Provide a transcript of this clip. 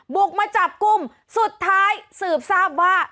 บุกมาจับกลุ่มสุดท้ายสืบทราบว่า